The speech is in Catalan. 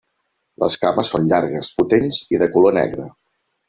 Les cames són llargues, potents i de color negre.